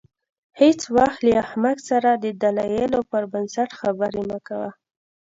هېڅ وخت له احمق سره د دلایلو پر بنسټ خبرې مه کوه.